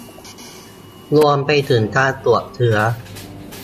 รวมไปถึงการตรวจเชื้อ